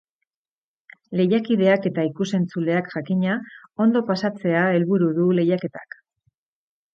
Lehiakideak eta ikus-entzuleak, jakina, ondo pasatzea helburu du lehiaketak.